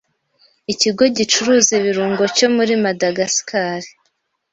Ikigo gicuruza ibirungo cyo muri Madagascar